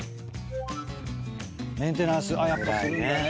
メンテナンスやっぱするんだね。